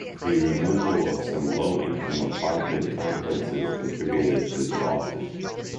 The removal of some low income apartment complexes contributed to the losses.